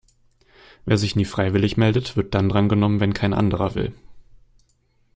Wer sich nie freiwillig meldet, wird dann drangenommen, wenn kein anderer will.